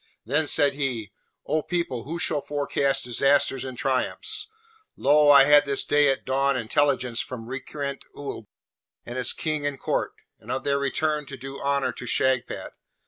Then said he, 'O people, who shall forecast disasters and triumphs? Lo, I had this day at dawn intelligence from recreant Oolb, and its King and Court, and of their return to do honour to Shagpat!